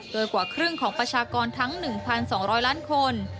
โดยกว่าครึ่งของประชากรทั้ง๑๒๐๐ล้านคน